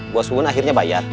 bos bungun akhirnya bayar